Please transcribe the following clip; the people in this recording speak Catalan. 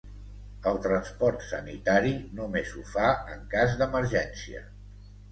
El transport sanitari només ho fa en cas d’emergència.